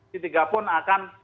si tiga pun akan